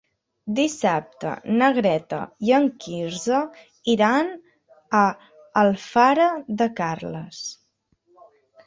Dissabte na Greta i en Quirze iran a Alfara de Carles.